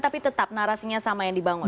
tapi tetap narasinya sama yang dibangun